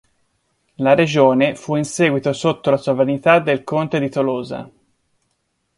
La regione fu in seguito sotto la sovranità del conte di Tolosa.